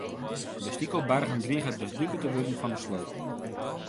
De stikelbargen drigen de dupe te wurden fan de sloop.